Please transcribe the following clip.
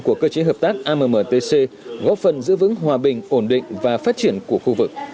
của cơ chế hợp tác ammtc góp phần giữ vững hòa bình ổn định và phát triển của khu vực